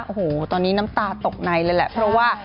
โอ้โหตอนนี้น้ำตาตกในเลยแหละเพราะว่า